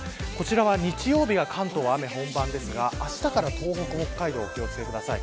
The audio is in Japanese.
日曜日は関東は雨本番ですからあしたから東北、北海道お気を付けください。